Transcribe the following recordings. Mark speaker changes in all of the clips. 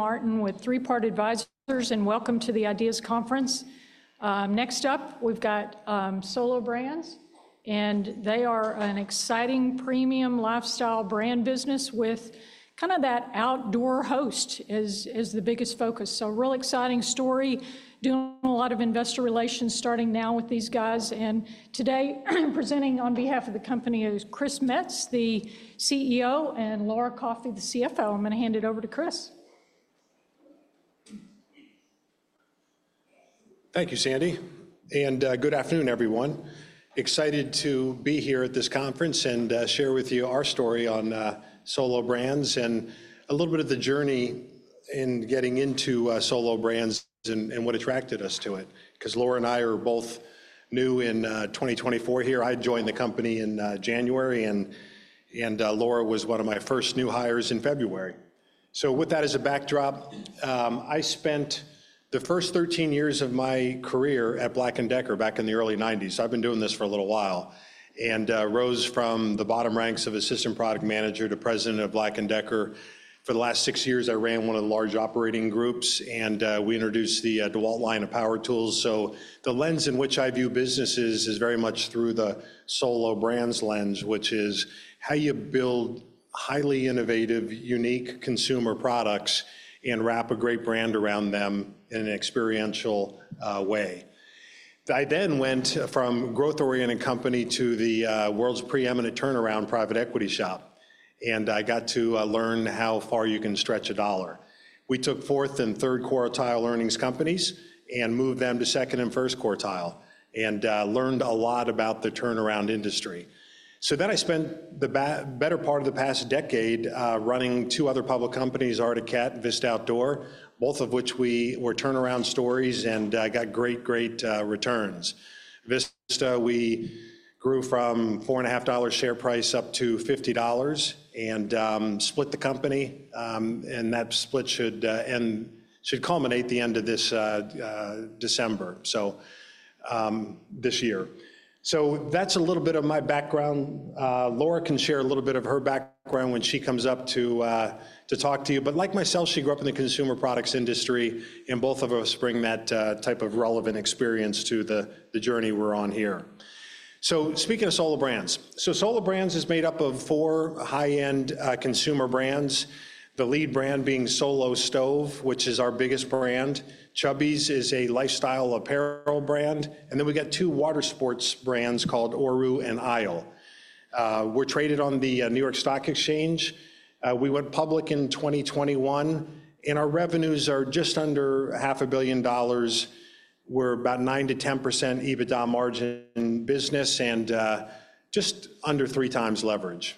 Speaker 1: Martin with Three Part Advisors and welcome to the Ideas Conference. Next up, we've got Solo Brands, and they are an exciting premium lifestyle brand business with kind of that outdoor ethos as the biggest focus. Real exciting story, doing a lot of investor relations starting now with these guys. Today, presenting on behalf of the company is Chris Metz, the CEO, and Laura Coffey, the CFO. I'm going to hand it over to Chris.
Speaker 2: Thank you, Sandy, and good afternoon, everyone. Excited to be here at this conference and share with you our story on Solo Brands and a little bit of the journey in getting into Solo Brands and what attracted us to it. Because Laura and I are both new in 2024 here. I joined the company in January, and Laura was one of my first new hires in February, so with that as a backdrop, I spent the first 13 years of my career at Black & Decker back in the early 1990s. I've been doing this for a little while and rose from the bottom ranks of Assistant Product Manager to President of Black & Decker. For the last six years, I ran one of the large operating groups, and we introduced the DeWalt line of power tools. So, the lens in which I view businesses is very much through the Solo Brands lens, which is how you build highly innovative, unique consumer products and wrap a great brand around them in an experiential way. I then went from a growth-oriented company to the world's preeminent turnaround private equity shop, and I got to learn how far you can stretch a dollar. We took Q4 and Q3 earnings companies and moved them to Q2 and Q1 quartile and learned a lot about the turnaround industry. So, then I spent the better part of the past decade running two other public companies, Arctic Cat and Vista Outdoor, both of which were turnaround stories and got great, great returns. Vista, we grew from $4.50 share price up to $50 and split the company. And that split should culminate the end of this December, so this year. That's a little bit of my background. Laura can share a little bit of her background when she comes up to talk to you. But like myself, she grew up in the consumer products industry, and both of us bring that type of relevant experience to the journey we're on here. So, speaking of Solo Brands, Solo Brands is made up of four high-end consumer brands, the lead brand being Solo Stove, which is our biggest brand. Chubbies is a lifestyle apparel brand. And then we got two water sports brands called Oru and Isle. We're traded on the New York Stock Exchange. We went public in 2021, and our revenues are just under $500 million. We're about 9%-10% EBITDA margin business and just under three times leverage.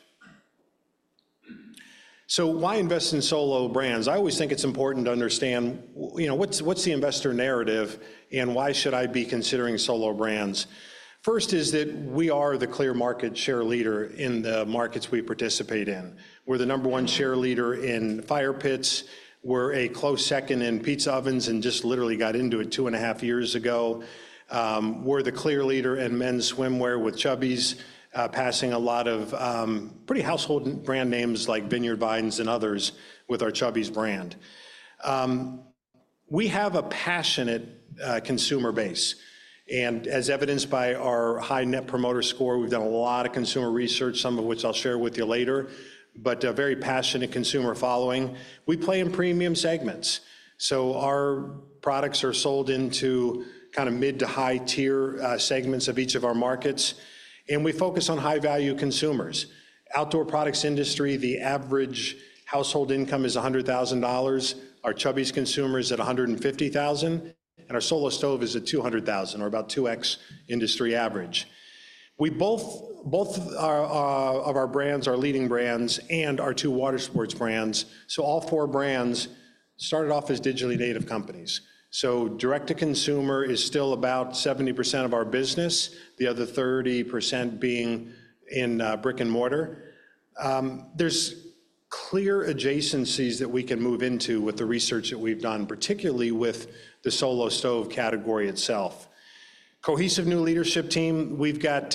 Speaker 2: So, why invest in Solo Brands? I always think it's important to understand what's the investor narrative and why should I be considering solo brands. First, is that we are the clear market share leader in the markets we participate in. We're the number one share leader in fire pits. We're a close second in pizza ovens, and just literally got into it two and a half years ago. We're the clear leader in men's swimwear with Chubbies, passing a lot of pretty household brand names like Vineyard Vines, and others with our Chubbies brand. We have a passionate consumer base, and as evidenced by our high Net Promoter Score, we've done a lot of consumer research, some of which I'll share with you later, but a very passionate consumer following. We play in premium segments. So, our products are sold into kind of mid- to high-tier segments of each of our markets, and we focus on high-value consumers. Outdoor products Industry, the average household income is $100,000. Our Chubbies consumer is at $150,000, and our Solo Stove is at $200,000, or about 2x Industry average. Both of our brands are leading brands and our two water sports brands. So, all four brands started off as digitally native companies. So, direct-to-consumer is still about 70% of our business, the other 30% being in brick and mortar. There's clear adjacencies that we can move into with the research that we've done, particularly with the Solo Stove category itself. Cohesive new leadership team, we've got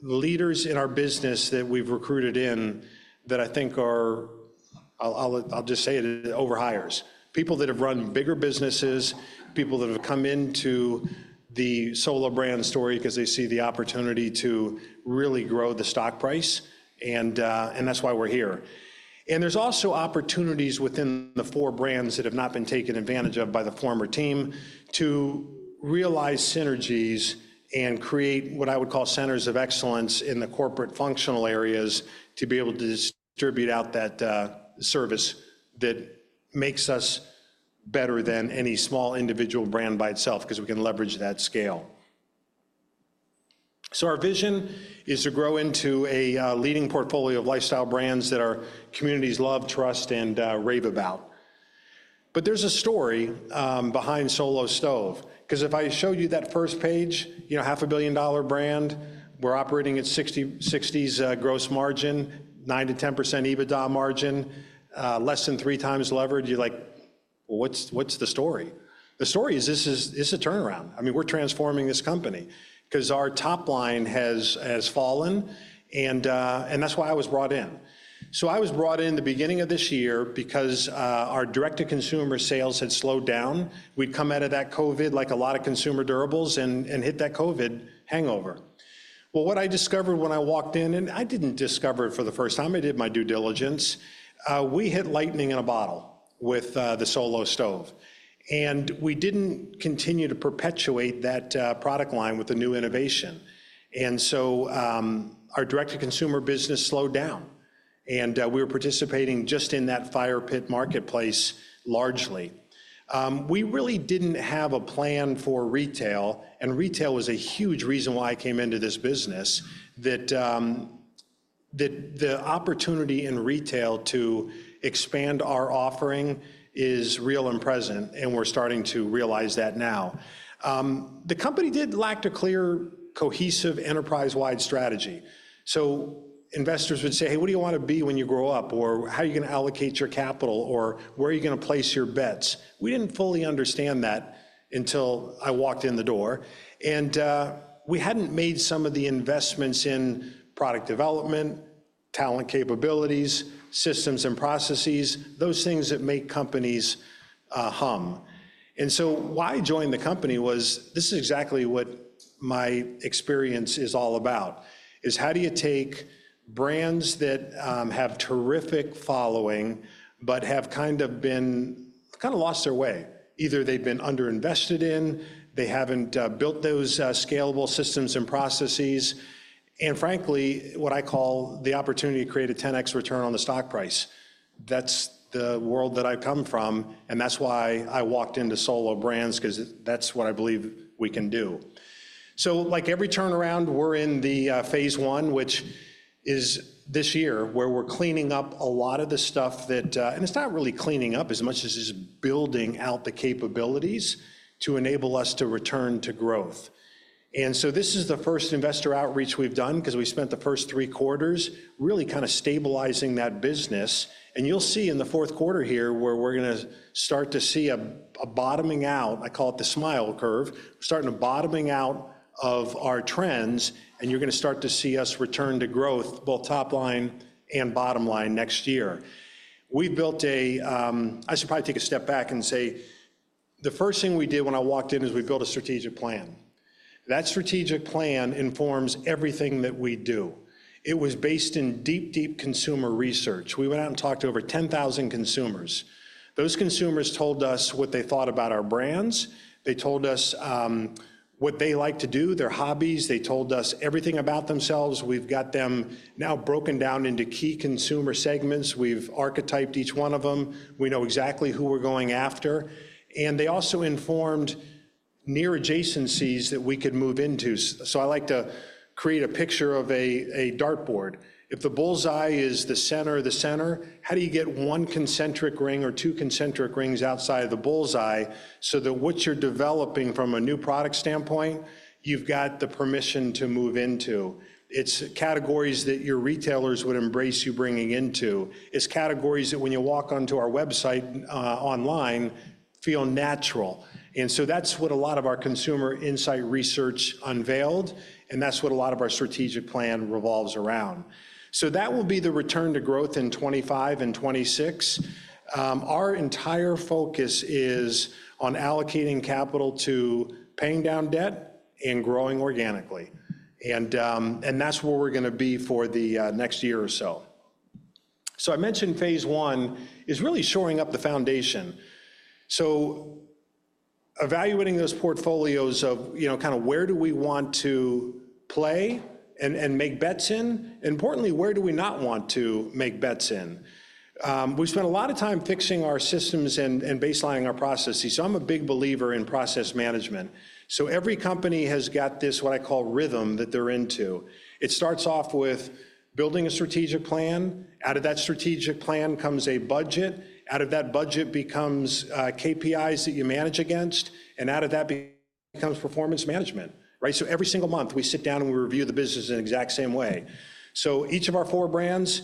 Speaker 2: leaders in our business that we've recruited in that I think are, I'll just say it, over hires. People that have run bigger businesses, people that have come into the Solo Brands story because they see the opportunity to really grow the stock price, and that's why we're here, and there's also opportunities within the four brands that have not been taken advantage of by the former team to realize synergies and create what I would call centers of excellence in the corporate functional areas to be able to distribute out that service that makes us better than any small individual brand by itself because we can leverage that scale, so our vision is to grow into a leading portfolio of lifestyle brands that our communities love, trust, and rave about, but there's a story behind Solo Stove. Because if I show you that first page, $500 million brand, we're operating at 60% gross margin, 9%-10% EBITDA margin, less than three times leverage, you're like, what's the story? The story is this is a turnaround. I mean, we're transforming this company because our top line has fallen, and that's why I was brought in, so I was brought in the beginning of this year because our direct-to-consumer sales had slowed down. We'd come out of that COVID, like a lot of consumer durables, and hit that COVID hangover, well, what I discovered when I walked in, and I didn't discover it for the first time, I did my due diligence, we hit lightning in a bottle with the Solo Stove, and we didn't continue to perpetuate that product line with a new innovation. Our direct-to-consumer business slowed down, and we were participating just in that fire pit marketplace largely. We really didn't have a plan for retail, and retail was a huge reason why I came into this business, that the opportunity in retail to expand our offering is real and present, and we're starting to realize that now. The company did lack a clear, cohesive, enterprise-wide strategy. Investors would say, hey, what do you want to be when you grow up? Or how are you going to allocate your capital? Or where are you going to place your bets? We didn't fully understand that until I walked in the door. We hadn't made some of the investments in product development, talent capabilities, systems, and processes, those things that make companies hum. And so, why I joined the company was this is exactly what my experience is all about, is how do you take brands that have terrific following but have kind of been kind of lost their way. Either they've been underinvested in, they haven't built those scalable systems and processes, and frankly, what I call the opportunity to create a 10x return on the stock price. That's the world that I've come from, and that's why I walked into Solo Brands, because that's what I believe we can do. So, like every turnaround, we're in the phase one, which is this year, where we're cleaning up a lot of the stuff that, and it's not really cleaning up as much as it's building out the capabilities to enable us to return to growth. And so, this is the first investor outreach we've done, because we spent the first three quarters really kind of stabilizing that business. And you'll see in the fourth quarter here where we're going to start to see a bottoming out. I call it the smile curve, starting a bottoming out of our trends, and you're going to start to see us return to growth, both top line and bottom line next year. We've built a. I should probably take a step back and say, the first thing we did when I walked in is we built a strategic plan. That strategic plan informs everything that we do. It was based in deep, deep consumer research. We went out and talked to over 10,000 consumers. Those consumers told us what they thought about our brands. They told us what they like to do, their hobbies. They told us everything about themselves. We've got them now broken down into key consumer segments. We've archetyped each one of them. We know exactly who we're going after, and they also informed near adjacencies that we could move into. So, I like to create a picture of a dartboard. If the bull's eye is the center of the center, how do you get one concentric ring or two concentric rings outside of the bull's eye so that what you're developing from a new product standpoint, you've got the permission to move into? It's categories that your retailers would embrace you bringing into. It's categories that when you walk onto our website online, feel natural, and so that's what a lot of our consumer insight research unveiled, and that's what a lot of our strategic plan revolves around, so that will be the return to growth in 2025 and 2026. Our entire focus is on allocating capital to paying down debt and growing organically. And that's where we're going to be for the next year or so. So, I mentioned phase one is really shoring up the foundation. So, evaluating those portfolios of kind of where do we want to play and make bets in, and importantly, where do we not want to make bets in. We spent a lot of time fixing our systems and baselining our processes. So, I'm a big believer in process management. So, every company has got this, what I call rhythm that they're into. It starts off with building a strategic plan. Out of that strategic plan comes a budget. Out of that budget becomes KPIs that you manage against. And out of that becomes performance management. So, every single month, we sit down and we review the business in the exact same way. So, each of our four brands,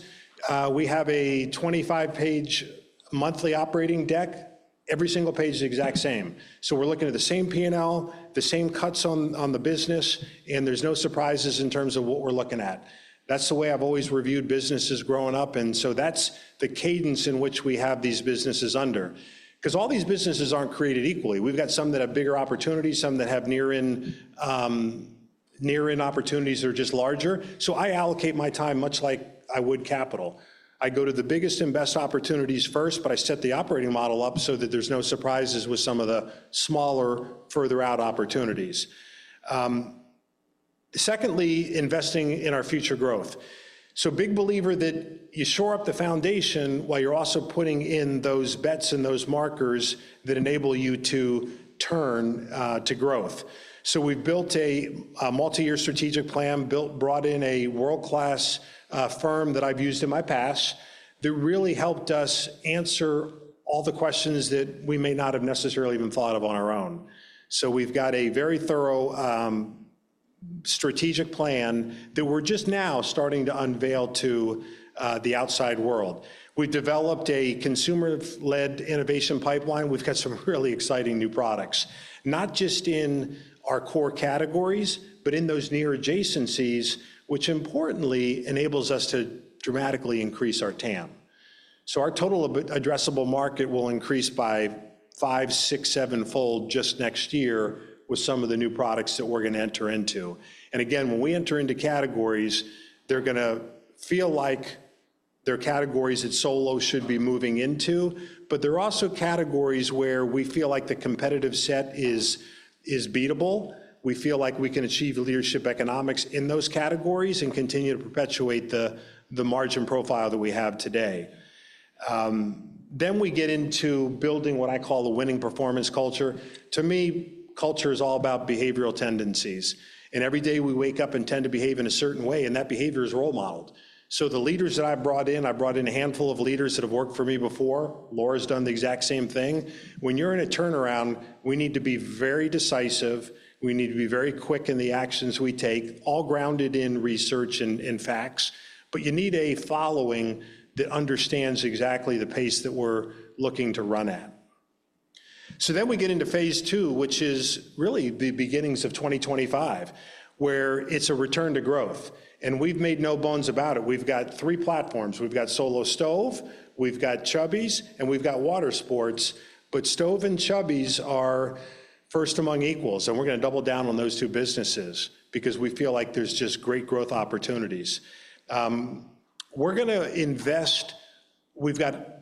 Speaker 2: we have a 25-page monthly operating deck. Every single page is the exact same. So, we're looking at the same P&L, the same cuts on the business, and there's no surprises in terms of what we're looking at. That's the way I've always reviewed businesses growing up. And so, that's the cadence in which we have these businesses under. Because all these businesses aren't created equally. We've got some that have bigger opportunities, some that have near-in opportunities that are just larger. So, I allocate my time much like I would capital. I go to the biggest and best opportunities first, but I set the operating model up so that there's no surprises with some of the smaller, further out opportunities. Secondly, investing in our future growth. So, big believer that you shore up the foundation while you're also putting in those bets and those markers that enable you to turn to growth. So, we've built a multi-year strategic plan, brought in a world-class firm that I've used in my past that really helped us answer all the questions that we may not have necessarily even thought of on our own. So, we've got a very thorough strategic plan that we're just now starting to unveil to the outside world. We've developed a consumer-led innovation pipeline. We've got some really exciting new products, not just in our core categories, but in those near adjacencies, which importantly enables us to dramatically increase our TAM. So, our total addressable market will increase by five, six, seven-fold just next year with some of the new products that we're going to enter into. And again, when we enter into categories, they're going to feel like they're categories that Solo should be moving into, but they're also categories where we feel like the competitive set is beatable. We feel like we can achieve leadership economics in those categories and continue to perpetuate the margin profile that we have today. Then we get into building what I call the winning performance culture. To me, culture is all about behavioral tendencies. And every day we wake up and tend to behave in a certain way, and that behavior is role modeled. So, the leaders that I've brought in, I brought in a handful of leaders that have worked for me before. Laura's done the exact same thing. When you're in a turnaround, we need to be very decisive. We need to be very quick in the actions we take, all grounded in research and facts. But you need a following that understands exactly the pace that we're looking to run at. So, then we get into phase two, which is really the beginnings of 2025, where it's a return to growth. And we've made no bones about it. We've got three platforms. We've got Solo Stove, we've got Chubbies, and we've got water sports. But Stove and Chubbies are first among equals. And we're going to double down on those two businesses because we feel like there's just great growth opportunities. We're going to invest. We've got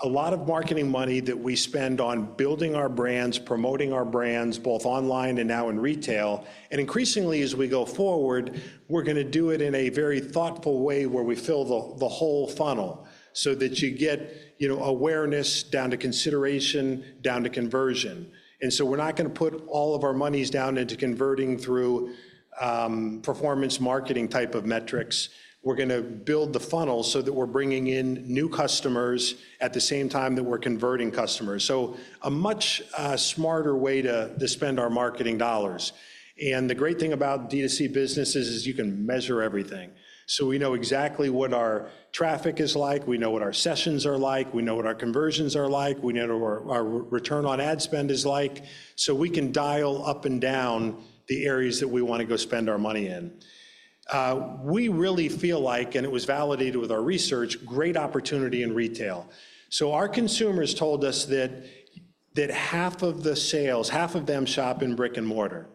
Speaker 2: a lot of marketing money that we spend on building our brands, promoting our brands, both online and now in retail. And increasingly, as we go forward, we're going to do it in a very thoughtful way where we fill the whole funnel so that you get awareness down to consideration, down to conversion. And so, we're not going to put all of our monies down into converting through performance marketing type of metrics. We're going to build the funnel so that we're bringing in new customers at the same time that we're converting customers. So, a much smarter way to spend our marketing dollars. And the great thing about D2C businesses is you can measure everything. So, we know exactly what our traffic is like. We know what our sessions are like. We know what our conversions are like. We know what our return on ad spend is like. So, we can dial up and down the areas that we want to go spend our money in. We really feel like, and it was validated with our research, great opportunity in retail. So, our consumers told us that half of the sales, half of them shop in brick and mortar.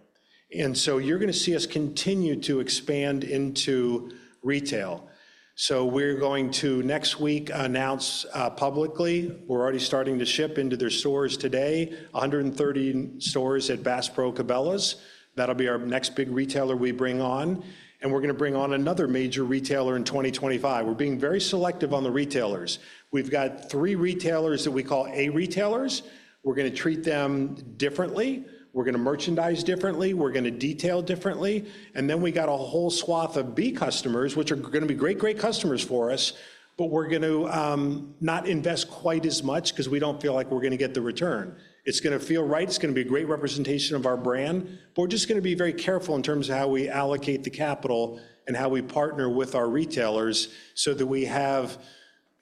Speaker 2: And so, you're going to see us continue to expand into retail. So, we're going to next week announce publicly. We're already starting to ship into their stores today, 130 stores at Bass Pro Cabela's. That'll be our next big retailer we bring on. And we're going to bring on another major retailer in 2025. We're being very selective on the retailers. We've got three retailers that we call A retailers. We're going to treat them differently. We're going to merchandise differently. We're going to detail differently. And then we got a whole swath of B customers, which are going to be great, great customers for us, but we're going to not invest quite as much because we don't feel like we're going to get the return. It's going to feel right. It's going to be a great representation of our brand, but we're just going to be very careful in terms of how we allocate the capital and how we partner with our retailers so that we have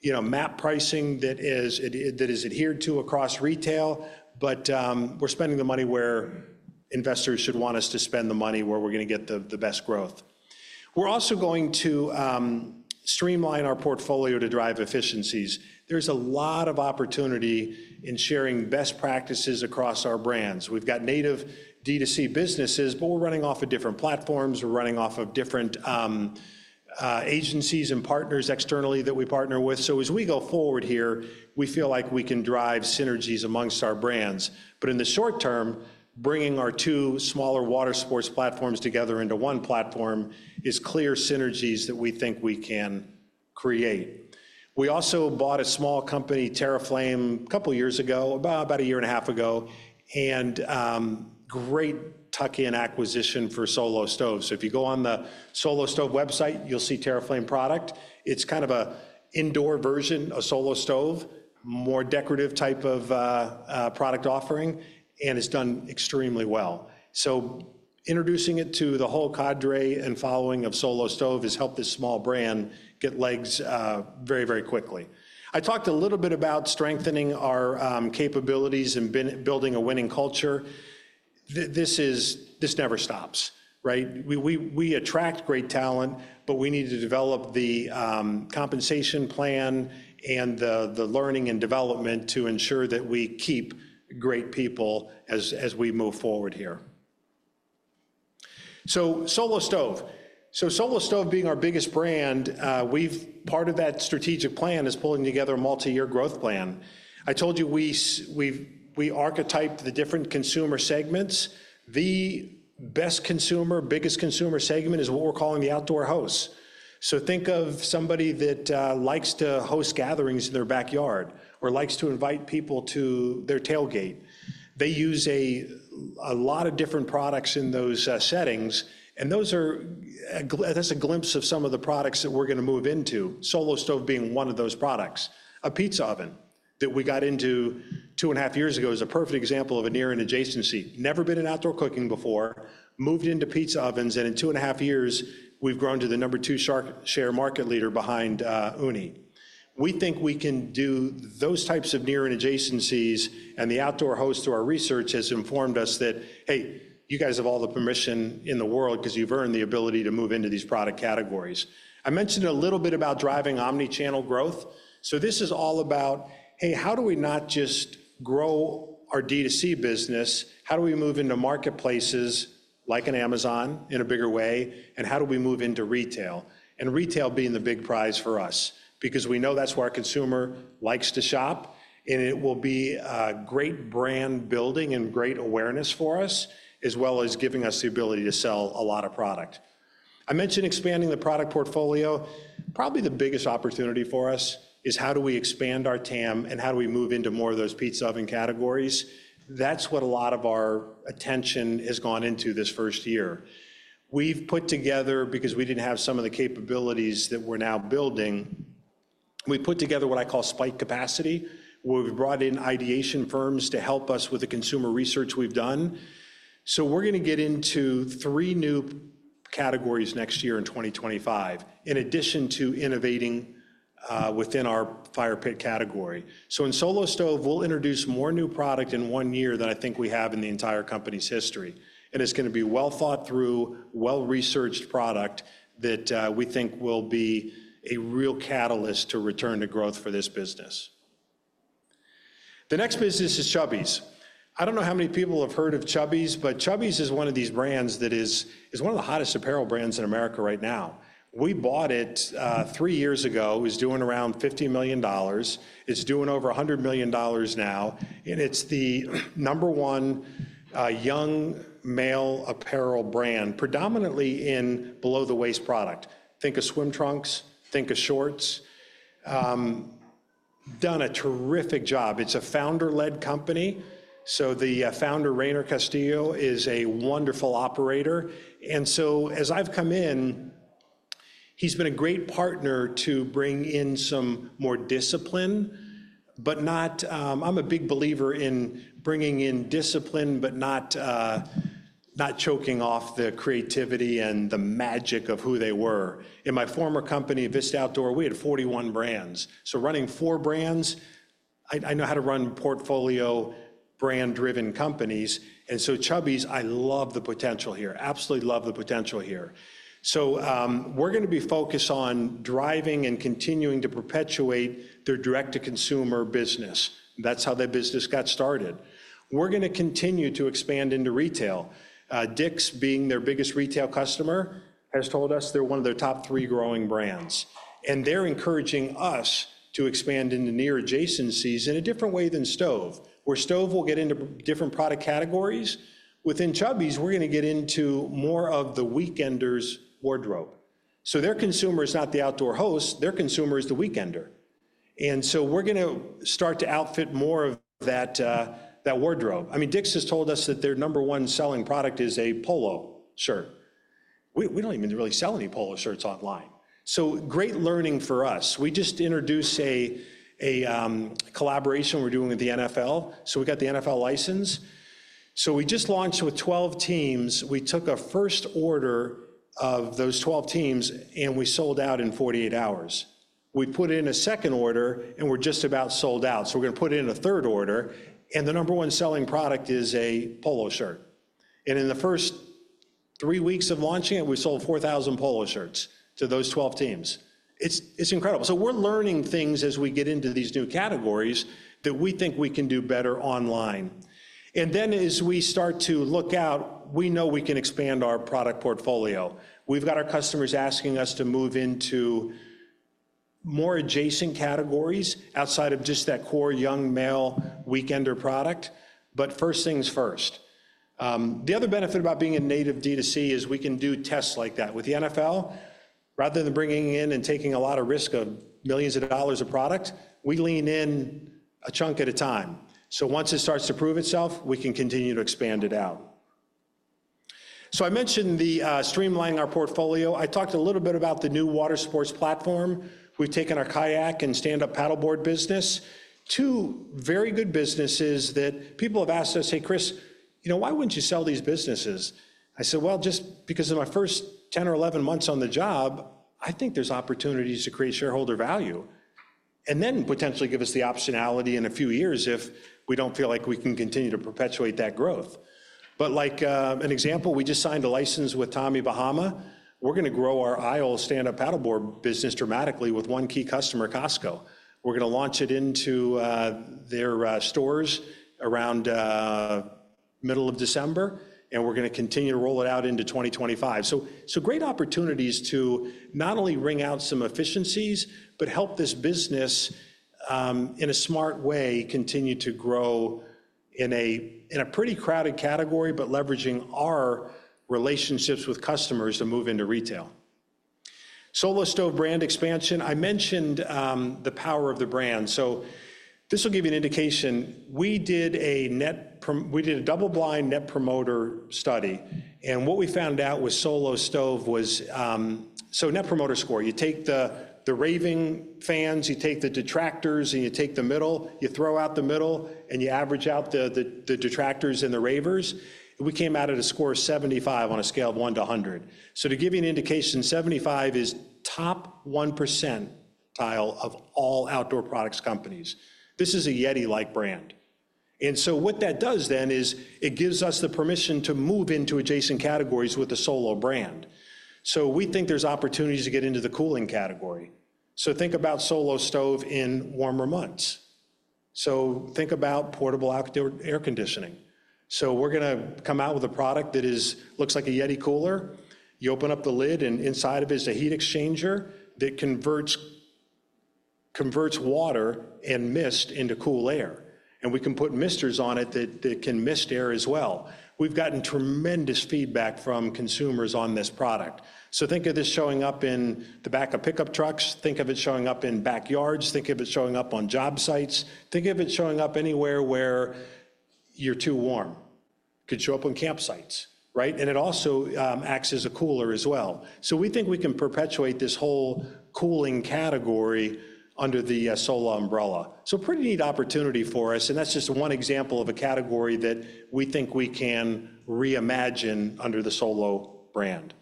Speaker 2: MAP pricing that is adhered to across retail, but we're spending the money where investors should want us to spend the money, where we're going to get the best growth. We're also going to streamline our portfolio to drive efficiencies. There's a lot of opportunity in sharing best practices across our brands. We've got native D2C businesses, but we're running off of different platforms. We're running off of different agencies and partners externally that we partner with. So, as we go forward here, we feel like we can drive synergies amongst our brands. But in the short term, bringing our two smaller water sports platforms together into one platform is clear synergies that we think we can create. We also bought a small company, TerraFlame, a couple of years ago, about a year and a half ago, and great tuck-in acquisition for Solo Stove. So, if you go on the Solo Stove website, you'll see TerraFlame product. It's kind of an indoor version of Solo Stove, more decorative type of product offering, and it's done extremely well. So, introducing it to the whole cadre and following of Solo Stove has helped this small brand get legs very, very quickly. I talked a little bit about strengthening our capabilities and building a winning culture. This never stops. We attract great talent, but we need to develop the compensation plan and the learning and development to ensure that we keep great people as we move forward here. Solo Stove. Solo Stove being our biggest brand, part of that strategic plan is pulling together a multi-year growth plan. I told you we archetyped the different consumer segments. The best consumer, biggest consumer segment is what we're calling the outdoor host. Think of somebody that likes to host gatherings in their backyard or likes to invite people to their tailgate. They use a lot of different products in those settings, and that's a glimpse of some of the products that we're going to move into, Solo Stove being one of those products. A pizza oven that we got into two and a half years ago is a perfect example of a near-in adjacency. Never been in outdoor cooking before. Moved into pizza ovens, and in two and a half years, we've grown to the number two market share leader behind Ooni. We think we can do those types of near-in adjacencies, and the outdoor host through our research has informed us that, hey, you guys have all the permission in the world because you've earned the ability to move into these product categories. I mentioned a little bit about driving omnichannel growth, so this is all about, hey, how do we not just grow our D2C business? How do we move into marketplaces like an Amazon in a bigger way? And how do we move into retail? Retail being the big prize for us because we know that's where our consumer likes to shop, and it will be great brand building and great awareness for us, as well as giving us the ability to sell a lot of product. I mentioned expanding the product portfolio. Probably the biggest opportunity for us is how do we expand our TAM and how do we move into more of those pizza oven categories? That's what a lot of our attention has gone into this first year. We've put together, because we didn't have some of the capabilities that we're now building, what I call spike capacity. We've brought in ideation firms to help us with the consumer research we've done. We're going to get into three new categories next year in 2025, in addition to innovating within our fire pit category. In Solo Stove, we'll introduce more new product in one year than I think we have in the entire company's history. It's going to be well-thought-through, well-researched product that we think will be a real catalyst to return to growth for this business. The next business is Chubbies. I don't know how many people have heard of Chubbies, but Chubbies is one of these brands that is one of the hottest apparel brands in America right now. We bought it three years ago. It was doing around $50 million. It's doing over $100 million now. It's the number one young male apparel brand, predominantly in below-the-waist product. Think of swim trunks, think of shorts. Done a terrific job. It's a founder-led company. The founder, Rainer Castillo, is a wonderful operator. And so, as I've come in, he's been a great partner to bring in some more discipline, but not. I'm a big believer in bringing in discipline, but not choking off the creativity and the magic of who they were. In my former company, Vista Outdoor, we had 41 brands. So, running four brands, I know how to run portfolio brand-driven companies. And so, Chubbies, I love the potential here. Absolutely love the potential here. So, we're going to be focused on driving and continuing to perpetuate their direct-to-consumer business. That's how their business got started. We're going to continue to expand into retail. Dick's, being their biggest retail customer, has told us they're one of their top three growing brands. And they're encouraging us to expand into near-adjacencies in a different way than Stove, where Stove will get into different product categories. Within Chubbies, we're going to get into more of the weekender's wardrobe, so their consumer is not the outdoor host. Their consumer is the weekender, and so we're going to start to outfit more of that wardrobe. I mean, Dick's has told us that their number one selling product is a polo shirt. We don't even really sell any polo shirts online, so great learning for us. We just introduced a collaboration we're doing with the NFL, so we got the NFL license, so we just launched with 12 teams. We took a first order of those 12 teams, and we sold out in 48 hours. We put in a second order, and we're just about sold out, so we're going to put in a third order, and the number one selling product is a polo shirt. In the first three weeks of launching it, we sold 4,000 polo shirts to those 12 teams. It's incredible. We're learning things as we get into these new categories that we think we can do better online. As we start to look out, we know we can expand our product portfolio. We've got our customers asking us to move into more adjacent categories outside of just that core young male weekender product. First things first. The other benefit about being a native DTC is we can do tests like that with the NFL. Rather than bringing in and taking a lot of risk of millions of dollars of product, we lean in a chunk at a time. Once it starts to prove itself, we can continue to expand it out. I mentioned streamlining our portfolio. I talked a little bit about the new water sports platform. We've taken our kayak and stand-up paddleboard business to very good businesses that people have asked us, "Hey, Chris, you know why wouldn't you sell these businesses?" I said, "Well, just because in my first 10 or 11 months on the job, I think there's opportunities to create shareholder value and then potentially give us the optionality in a few years if we don't feel like we can continue to perpetuate that growth." But like an example, we just signed a license with Tommy Bahama. We're going to grow our Isle stand-up paddleboard business dramatically with one key customer, Costco. We're going to launch it into their stores around middle of December, and we're going to continue to roll it out into 2025. Great opportunities to not only wring out some efficiencies, but help this business in a smart way continue to grow in a pretty crowded category, but leveraging our relationships with customers to move into retail. Solo Stove brand expansion. I mentioned the power of the brand. This will give you an indication. We did a double-blind net promoter study. What we found out with Solo Stove was, so net promoter score, you take the raving fans, you take the detractors, and you take the middle, you throw out the middle, and you average out the detractors and the ravers. We came out at a score of 75 on a scale of one to 100. To give you an indication, 75 is top 1%ile of all outdoor products companies. This is a Yeti-like brand. And so, what that does then is it gives us the permission to move into adjacent categories with a Solo brand. So, we think there's opportunities to get into the cooling category. So, think about Solo Stove in warmer months. So, think about portable outdoor air conditioning. So, we're going to come out with a product that looks like a Yeti cooler. You open up the lid, and inside of it is a heat exchanger that converts water and mist into cool air. And we can put misters on it that can mist air as well. We've gotten tremendous feedback from consumers on this product. So, think of this showing up in the back of pickup trucks. Think of it showing up in backyards. Think of it showing up on job sites. Think of it showing up anywhere where you're too warm. Could show up on campsites, right? And it also acts as a cooler as well. So, we think we can perpetuate this whole cooling category under the Solo umbrella. So, pretty neat opportunity for us. And that's just one example of a category that we think we can reimagine under the Solo brand.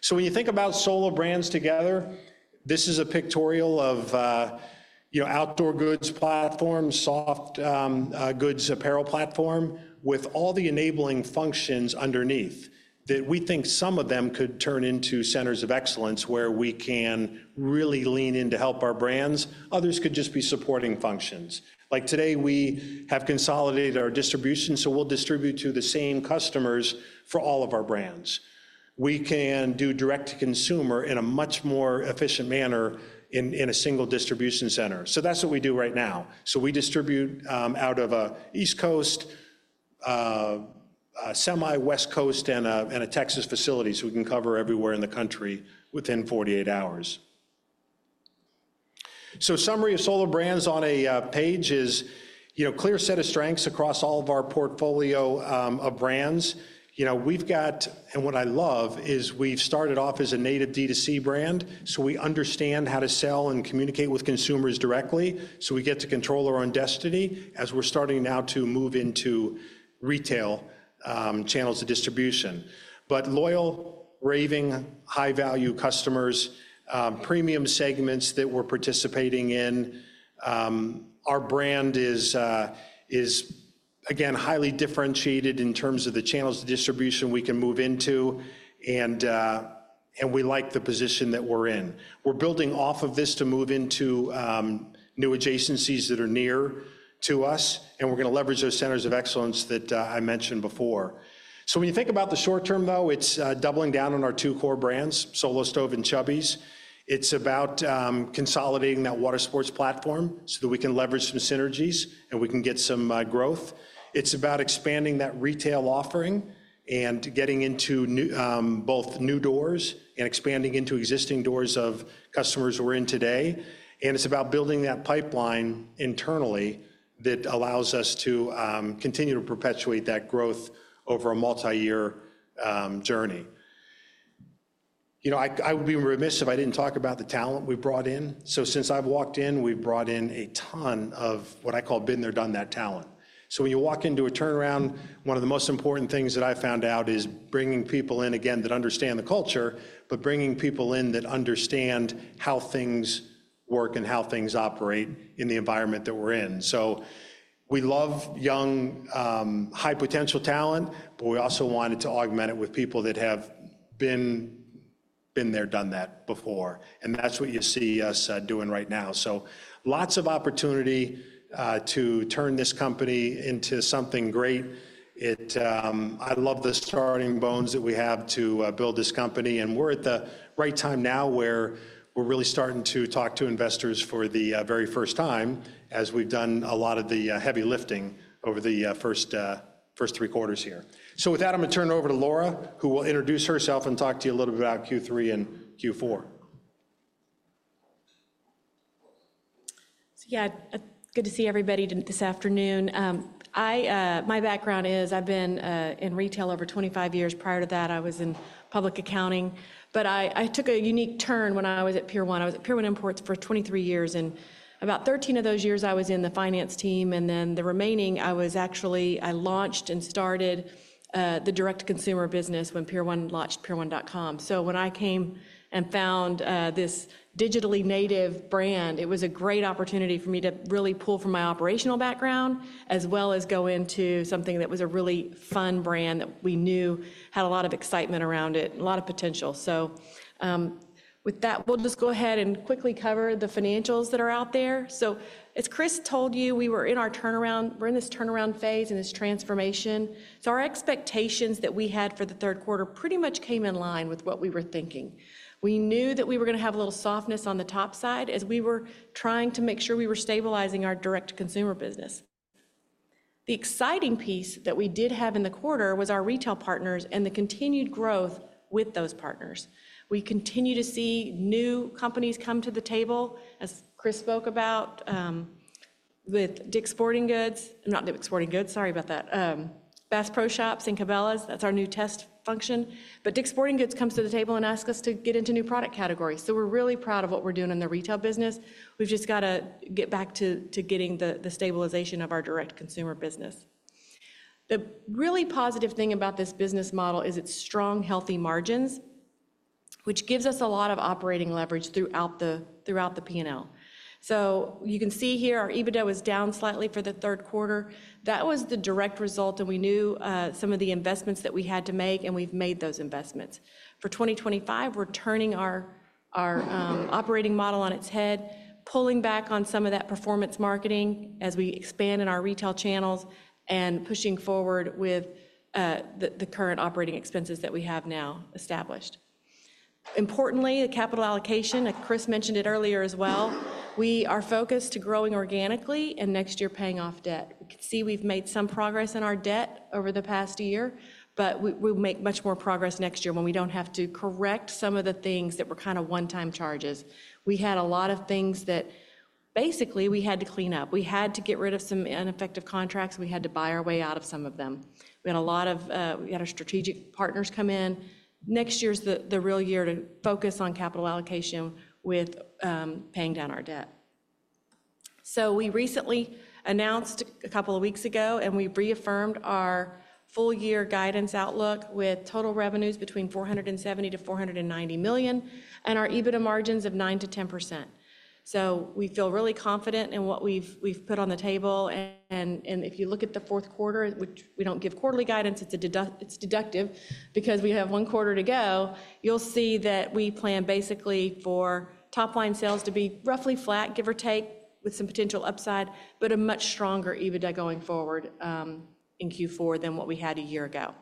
Speaker 2: So, when you think about Solo Brands together, this is a pictorial of outdoor goods platform, soft goods apparel platform with all the enabling functions underneath that we think some of them could turn into Centers of Excellence where we can really lean in to help our brands. Others could just be supporting functions. Like today, we have consolidated our distribution, so we'll distribute to the same customers for all of our brands. We can do Direct-to-Consumer in a much more efficient manner in a single distribution center. So, that's what we do right now. We distribute out of an East Coast, semi-West Coast, and a Texas facility. We can cover everywhere in the country within 48 hours. Summary of Solo Brands on a page is a clear set of strengths across all of our portfolio of brands. We've got, and what I love is we've started off as a native D2C brand. We understand how to sell and communicate with consumers directly. We get to control our own destiny as we're starting now to move into retail channels of distribution, but loyal, raving, high-value customers, premium segments that we're participating in. Our brand is, again, highly differentiated in terms of the channels of distribution we can move into, and we like the position that we're in. We're building off of this to move into new adjacencies that are near to us, and we're going to leverage those centers of excellence that I mentioned before. So, when you think about the short term, though, it's doubling down on our two core brands, Solo Stove and Chubbies. It's about consolidating that water sports platform so that we can leverage some synergies and we can get some growth. It's about expanding that retail offering and getting into both new doors and expanding into existing doors of customers we're in today. And it's about building that pipeline internally that allows us to continue to perpetuate that growth over a multi-year journey. I would be remiss if I didn't talk about the talent we've brought in. So, since I've walked in, we've brought in a ton of what I call been there, done that talent. So, when you walk into a turnaround, one of the most important things that I found out is bringing people in, again, that understand the culture, but bringing people in that understand how things work and how things operate in the environment that we're in. So, we love young, high-potential talent, but we also wanted to augment it with people that have been there, done that before. And that's what you see us doing right now. So, lots of opportunity to turn this company into something great. I love the starting bones that we have to build this company. And we're at the right time now where we're really starting to talk to investors for the very first time as we've done a lot of the heavy lifting over the first three quarters here. So, with that, I'm going to turn it over to Laura, who will introduce herself and talk to you a little bit about Q3 and Q4.
Speaker 3: Yeah, good to see everybody this afternoon. My background is I've been in retail over 25 years. Prior to that, I was in public accounting. But I took a unique turn when I was at Pier 1. I was at Pier 1 Imports for 23 years. And about 13 of those years, I was in the finance team. And then the remaining, I actually launched and started the direct-to-consumer business when Pier 1 launched pier1.com. So, when I came and found this digitally native brand, it was a great opportunity for me to really pull from my operational background as well as go into something that was a really fun brand that we knew had a lot of excitement around it and a lot of potential. So, with that, we'll just go ahead and quickly cover the financials that are out there. So, as Chris told you, we were in our turnaround. We're in this turnaround phase in this transformation. So, our expectations that we had for the third quarter pretty much came in line with what we were thinking. We knew that we were going to have a little softness on the top side as we were trying to make sure we were stabilizing our direct-to-consumer business. The exciting piece that we did have in the quarter was our retail partners and the continued growth with those partners. We continue to see new companies come to the table, as Chris spoke about, with Dick's Sporting Goods. Not Dick's Sporting Goods, sorry about that. Bass Pro Shops and Cabela's, that's our new test launch. But Dick's Sporting Goods comes to the table and asks us to get into new product categories. So, we're really proud of what we're doing in the retail business. We've just got to get back to getting the stabilization of our direct-to-consumer business. The really positive thing about this business model is its strong, healthy margins, which gives us a lot of operating leverage throughout the P&L. So, you can see here, our EBITDA was down slightly for the third quarter. That was the direct result, and we knew some of the investments that we had to make, and we've made those investments. For 2025, we're turning our operating model on its head, pulling back on some of that performance marketing as we expand in our retail channels and pushing forward with the current operating expenses that we have now established. Importantly, the capital allocation, Chris mentioned it earlier as well. We are focused on growing organically and next year paying off debt. We can see we've made some progress in our debt over the past year, but we'll make much more progress next year when we don't have to correct some of the things that were kind of one-time charges. We had a lot of things that basically we had to clean up. We had to get rid of some ineffective contracts. We had to buy our way out of some of them. We had a lot of our strategic partners come in. Next year's the real year to focus on capital allocation with paying down our debt. We recently announced a couple of weeks ago, and we reaffirmed our full-year guidance outlook with total revenues between $470-$490 million and our EBITDA margins of 9-10%. We feel really confident in what we've put on the table. If you look at the fourth quarter, which we don't give quarterly guidance, it's deductive because we have one quarter to go, you'll see that we plan basically for top-line sales to be roughly flat, give or take, with some potential upside, but a much stronger EBITDA going forward in Q4 than what we had a year ago.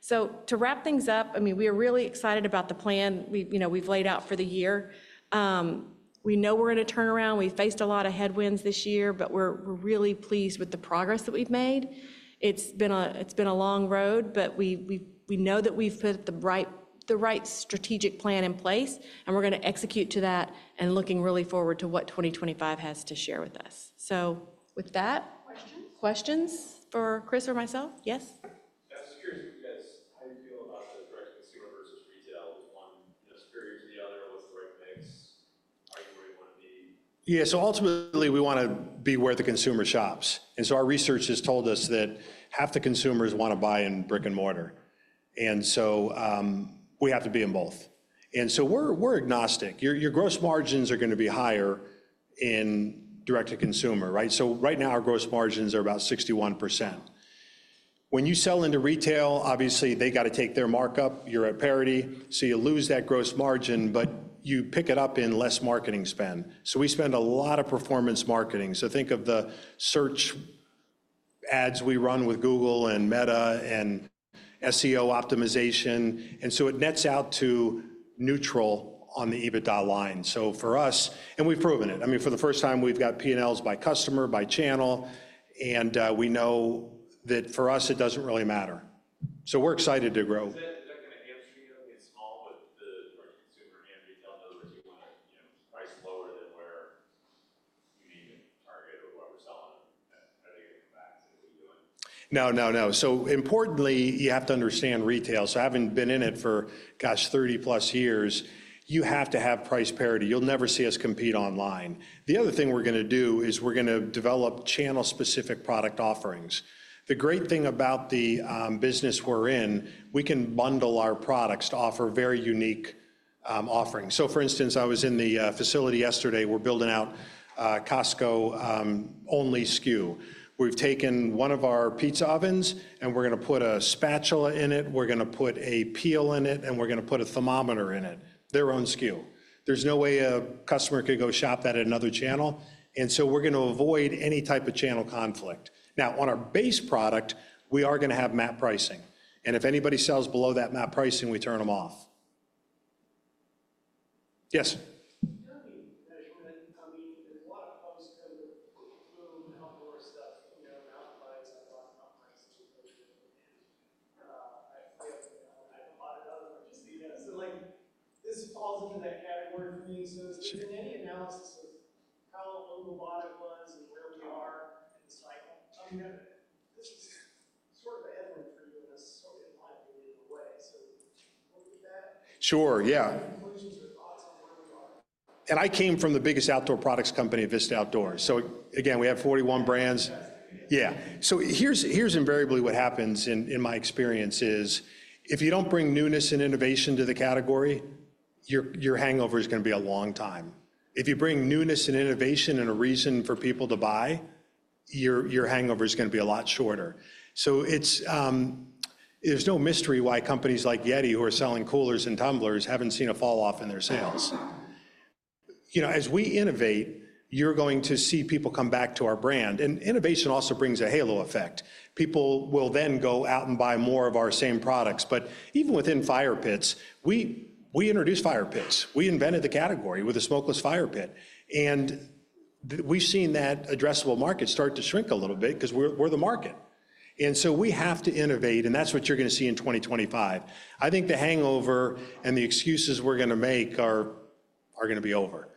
Speaker 3: So, to wrap things up, I mean, we are really excited about the plan we've laid out for the year. We know we're in a turnaround. We faced a lot of headwinds this year, but we're really pleased with the progress that we've made. It's been a long road, but we know that we've put the right strategic plan in place, and we're going to execute to that and looking really forward to what 2025, has to share with us. So, with that. Questions? Questions for Chris or myself? Yes?
Speaker 4: I was curious about how you feel about the direct-to-consumer versus retail. Is one superior to the other? What's the right mix? Are you where you want to be?
Speaker 2: Yeah, so ultimately, we want to be where the consumer shops. And so, our research has told us that half the consumers want to buy in brick and mortar. We have to be in both. We're agnostic. Your gross margins are going to be higher in direct-to-consumer, right? Right now, our gross margins are about 61%. When you sell into retail, obviously, they got to take their markup. You're at parity, so you lose that gross margin, but you pick it up in less marketing spend. We spend a lot of performance marketing. Think of the search ads we run with Google and Meta and SEO optimization. It nets out to neutral on the EBITDA line. For us, we've proven it. I mean, for the first time, we've got P&Ls by customer, by channel, and we know that for us, it doesn't really matter. We're excited to grow. Is that going to answer you?
Speaker 5: It's all with the direct-to-consumer and retail though that you want to price lower than where you need to target or what we're selling on. I think it'll come back to what you're doing.
Speaker 2: No, no, no. So, importantly, you have to understand retail. So, having been in it for, gosh, 30 plus years, you have to have price parity. You'll never see us compete online. The other thing we're going to do is we're going to develop channel-specific product offerings. The great thing about the business we're in, we can bundle our products to offer very unique offerings. So, for instance, I was in the facility yesterday. We're building out a Costco-only SKU. We've taken one of our pizza ovens, and we're going to put a spatula in it. We're going to put a peel in it, and we're going to put a thermometer in it. Their own SKU. There's no way a customer could go shop that at another channel. And so, we're going to avoid any type of channel conflict. Now, on our base product, we are going to have MAP pricing. And if anybody sells below that MAP pricing, we turn them off. Yes? Jeremy, I mean, there's a lot of folks who haul more stuff. Mountain bikes, I bought mountain bikes as a man. I bought another one. Just so this falls into that category for me. So, is there any analysis of how overbought it was and where we are in the cycle? I mean, this is sort of a headwind for you in my opinion in a way. So, work with that. Sure, yeah. Conclusions or thoughts on where we are. And I came from the biggest outdoor products company, Vista Outdoor. So, again, we have 41 brands. Yeah. Here's invariably what happens in my experience is if you don't bring newness and innovation to the category, your hangover is going to be a long time. If you bring newness and innovation and a reason for people to buy, your hangover is going to be a lot shorter. There's no mystery why companies like Yeti, who are selling coolers and tumblers, haven't seen a falloff in their sales. As we innovate, you're going to see people come back to our brand. And innovation also brings a halo effect. People will then go out and buy more of our same products. But even within fire pits, we introduced fire pits. We invented the category with a smokeless fire pit. And we've seen that addressable market start to shrink a little bit because we're the market. And so, we have to innovate, and that's what you're going to see in 2025. I think the hangover and the excuses we're going to make are going to be over.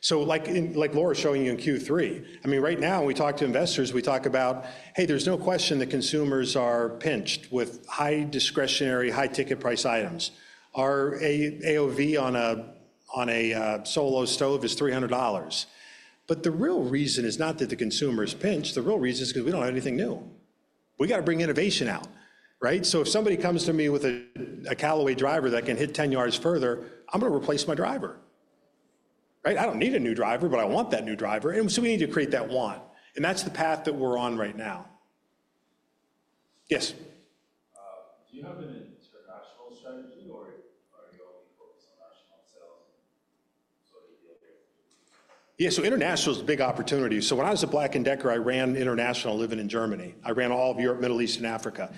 Speaker 2: So, like Laura's showing you in Q3, I mean, right now, we talk to investors. We talk about, "Hey, there's no question that consumers are pinched with high-discretionary, high-ticket price items. Our AOV on a Solo Stove is $300." But the real reason is not that the consumer is pinched. The real reason is because we don't have anything new. We got to bring innovation out, right? So, if somebody comes to me with a Callaway driver that can hit 10 yards further, I'm going to replace my driver, right? I don't need a new driver, but I want that new driver. And so, we need to create that want. And that's the path that we're on right now. Yes? Do you have an international strategy, or are you only focused on national sales and sort of dealing? Yeah, so international is a big opportunity. So, when I was at Black & Decker, I ran international living in Germany. I ran all of Europe, Middle East, and Africa.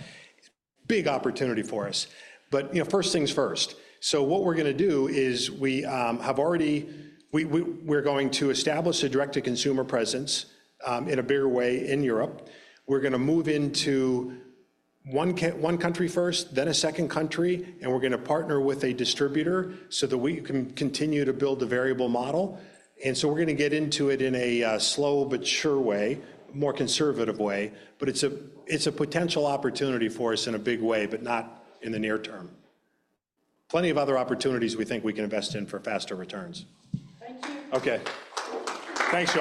Speaker 2: Big opportunity for us. But first things first. So, what we're going to do is we're going to establish a direct-to-consumer presence in a bigger way in Europe. We're going to move into one country first, then a second country, and we're going to partner with a distributor so that we can continue to build a viable model. And so, we're going to get into it in a slow but sure way, more conservative way. But it's a potential opportunity for us in a big way, but not in the near term. Plenty of other opportunities we think we can invest in for faster returns. Thank you. Okay. Thanks, y'all.